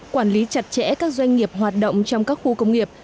quản lý chặt chẽ các doanh nghiệp hoạt động trong các khu công nghiệp